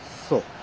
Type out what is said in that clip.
そう。